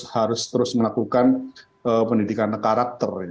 harus terus melakukan pendidikan karakter